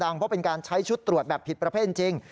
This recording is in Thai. เพราะเป็นการใช้ชุดตรวจแบบผิดประเภทจริง